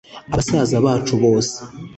abasaza bacu bose